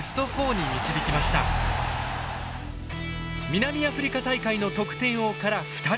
南アフリカ大会の得点王から２人。